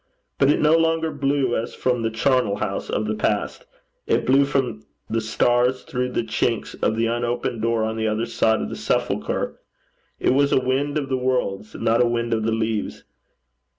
But it no longer blew as from the charnel house of the past; it blew from the stars through the chinks of the unopened door on the other side of the sepulchre. It was a wind of the worlds, not a wind of the leaves.